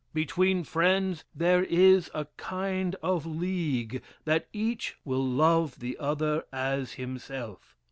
Between friends there is a kind of league, that each will love the other as himself.